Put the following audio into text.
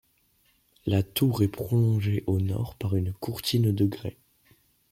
La tour est prolongée au nord par une courtine de grès.